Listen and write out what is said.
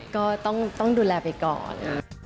ก็ต้องดูแลไปก่อน